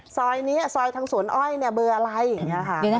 ซอยนี้ซอยทางสวนอ้อยเบอร์อะไรอย่างนี้ค่ะ